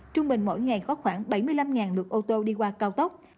trung bình mỗi ngày có khoảng bảy mươi năm lượt ô tô đi qua cao tốc